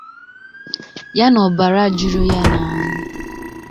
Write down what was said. ya na ọbara juru ya n'ahụ